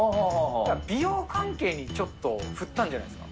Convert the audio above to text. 美容関係にちょっと振ったんじゃないですか？